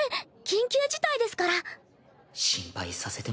緊急事態ですから。